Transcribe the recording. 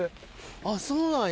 あっそうなんや。